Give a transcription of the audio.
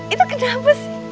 itu kenapa sih